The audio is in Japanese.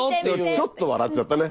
ちょっと笑っちゃったね。